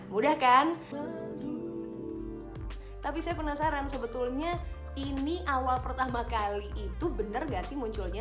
mudah kan tapi saya penasaran sebetulnya ini awal pertama kali itu benar nggak sih munculnya